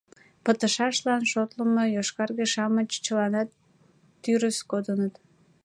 Пытышашлан шотлымо йошкарге-шамыч чыланат тӱрыс кодыныт.